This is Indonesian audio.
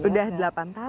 udah delapan tahun